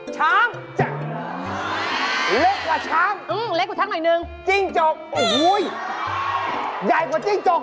ช้างเล็กกว่าช้างจิ้งจกโอ้โฮยใหญ่กว่าจิ้งจก